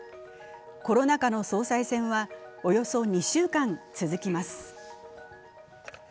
コロナ禍の総裁選はおよそ２週間続きます。